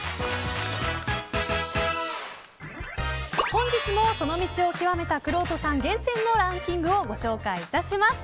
今日もその道を究めたくろうとさん厳選のランキングをご紹介致します。